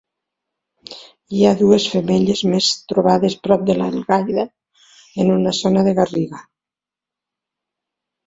Hi ha dues femelles més trobades prop d'Algaida en una zona de garriga.